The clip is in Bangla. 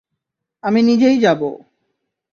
আমি নিজেই যাবো।